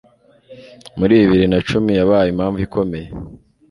muri bibiri nacumi yabaye impamvu ikomeye